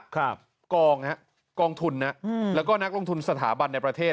กองฮะกองทุนนะอืมแล้วก็นักลงทุนสถาบันในประเทศ